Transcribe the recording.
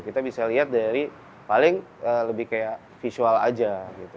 kita bisa lihat dari paling lebih kayak visual aja gitu